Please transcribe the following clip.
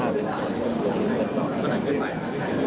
และ๓๕เป็นส่วนศีลแบบต่อคนเดิม